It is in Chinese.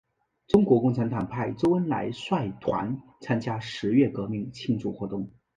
中国共产党派周恩来率团参加十月革命庆祝活动。